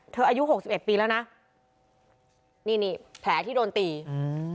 อายุหกสิบเอ็ดปีแล้วนะนี่นี่แผลที่โดนตีอืม